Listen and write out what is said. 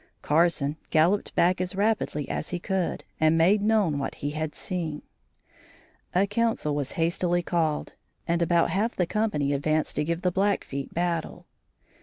Carson galloped back as rapidly as he could, and made known what had been seen. A council was hastily called and about half the company advanced to give the Blackfeet battle.